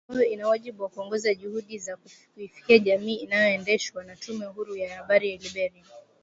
ambayo ina wajibu wa kuongoza juhudi za kuifikia jamii inayoendeshwa na Tume Huru ya Habari ya Liberia